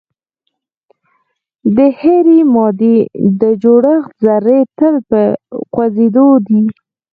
د هرې مادې د جوړښت ذرې تل په خوځیدو دي.